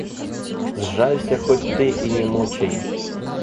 Сжалься хоть ты и не мучай!